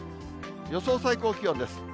予想最高気温です。